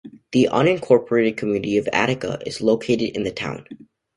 The unincorporated community of Attica is located in the town.